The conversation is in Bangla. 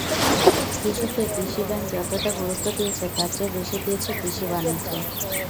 কৃষককে কৃষি ব্যাংক যতটা গুরুত্ব দিয়েছে, তার চেয়ে বেশি দিয়েছে কৃষি-বাণিজ্যে।